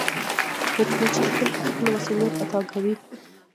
مچمچۍ تل خپل مسؤولیت ادا کوي